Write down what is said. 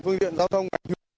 họ hỏi họ